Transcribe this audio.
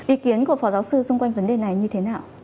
ý kiến của phó giáo sư xung quanh vấn đề này như thế nào